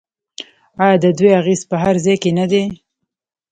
آیا د دوی اغیز په هر ځای کې نه دی؟